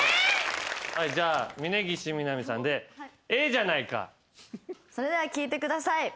じゃあ峯岸みなみさんで『ええじゃないか』それでは聴いてください。